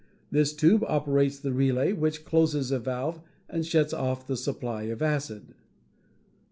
This tube operates the relay which closes a valve and shuts off the supply of acid.